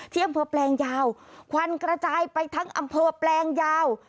ที่อำเภอแปลงยาวควันกระจายไปทั้งอำเภอแปลงยาว